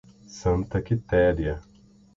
Santa Quitéria